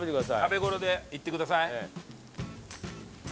食べ頃でいってください。